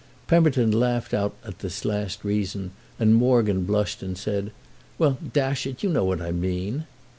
Pemberton laughed out at this last reason, and Morgan blushed and said: "Well, dash it, you know what I mean."